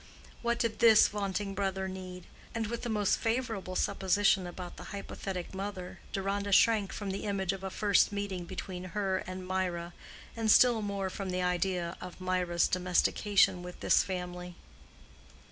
What did this vaunting brother need? And with the most favorable supposition about the hypothetic mother, Deronda shrank from the image of a first meeting between her and Mirah, and still more from the idea of Mirah's domestication with this family.